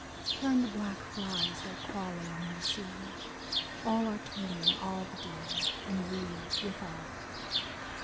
Turn the black flies that crawl along the ceiling. All are turning, all the day, and we with all.